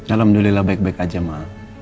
alhamdulillah baik baik aja mah